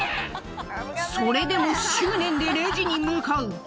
それでも執念でレジに向かう。